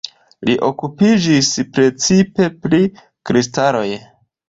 Li okupiĝis precipe pri kristaloj.